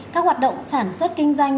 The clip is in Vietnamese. các hoạt động sản xuất kinh doanh